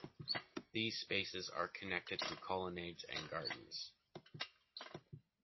These spaces are connected through colonnades and gardens.